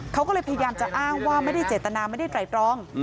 เขาก็เลยพยายามจะอ้างว่าไม่ได้เจตนาไม่ได้ไตรตรอง